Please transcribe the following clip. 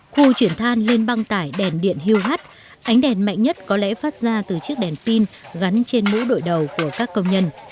khu chuyển than lên băng tải đèn điện hiêu hắt ánh đèn mạnh nhất có lẽ phát ra từ chiếc đèn pin gắn trên mũi đội đầu của các công nhân